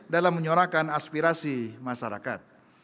dalam menyorakkan aspirasi masyarakat